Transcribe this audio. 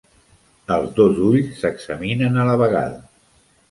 Els dos ulls s'examinen a la vegada.